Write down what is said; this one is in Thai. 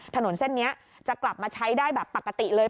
ถนนเส้นนี้จะกลับมาใช้ได้แบบปกติเลย